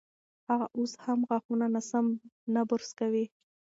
هغه اوس هم غاښونه ناسم نه برس کوي.